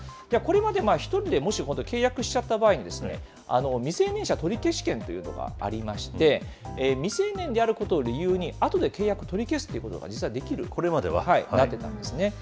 これまでもし１人で、契約しちゃった場合に、未成年者取消権というのがありまして、未成年であることを理由に、あとで契約取り消すということが実はできるようになっていたんですね。